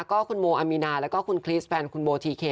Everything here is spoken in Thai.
ก็คุณโมอามีนาแล้วก็คุณคริสแฟนคุณโมทีเค